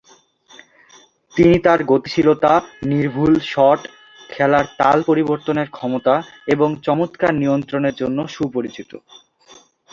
তিনি তার গতিশীলতা, নির্ভুল শট, খেলার তাল পরিবর্তনের ক্ষমতা এবং এবং চমৎকার নিয়ন্ত্রণের জন্য সুপরিচিত।